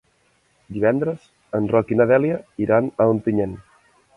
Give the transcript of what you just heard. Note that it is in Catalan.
Divendres en Roc i na Dèlia iran a Ontinyent.